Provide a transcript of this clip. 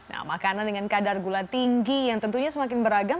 nah makanan dengan kadar gula tinggi yang tentunya semakin beragam